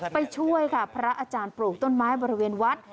ไปช่วยค่ะพระอาจารย์ปลูกต้นไม้บริเวณวัด